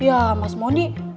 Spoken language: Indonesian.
ya mas mondi